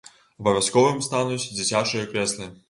Абавязковым стануць дзіцячыя крэслы.